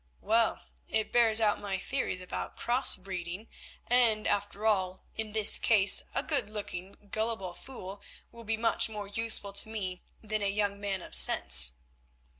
Well, it bears out my theories about cross breeding, and, after all, in this case a good looking, gullible fool will be much more useful to me than a young man of sense.